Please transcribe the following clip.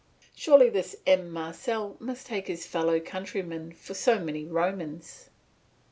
Surely this M. Marcel must take his fellow countrymen for so many Romans.